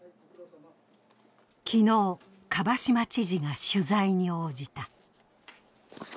昨日、蒲島知事が取材に応じた。